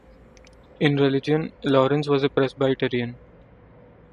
In religion, Lawrence was a Presbyterian.